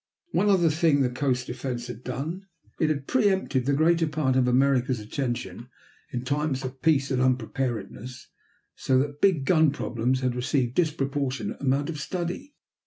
One other thing the coast defense had done: it had pre empted the greater part of America's attention in times of peace and unpreparedness, so that big gun problems had received a disproportionate amount of study.